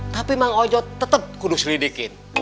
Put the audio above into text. tapi bang ojo tetep kudus lidikin